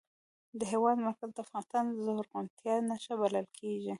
د هېواد مرکز د افغانستان د زرغونتیا نښه بلل کېږي.